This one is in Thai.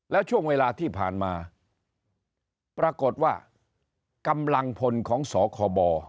แล้วช่วงเวลาที่ผ่านมาปรากฏว่ากำลังพลของสคบ